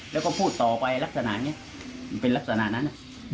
แล้วก็พูดต่อไปลักษณะนี้เป็นลักษณะนั้นน่ะ